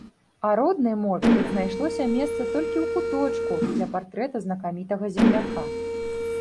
А роднай мове тут знайшлося месца толькі ў куточку ля партрэта знакамітага земляка.